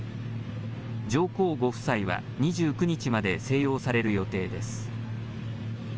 上皇ご夫妻は２９日まで静養される予定です。